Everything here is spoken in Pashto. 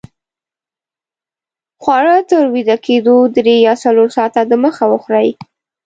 خواړه تر ویده کېدو درې یا څلور ساته دمخه وخورئ